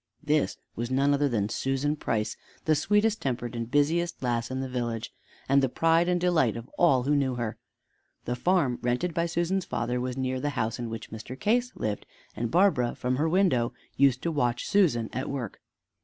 This was none other than Susan Price, the sweetest tempered and busiest lass in the village, and the pride and delight of all who knew her. The farm rented by Susan's father was near the house in which Mr. Case lived, and Barbara from her window used to watch Susan at work.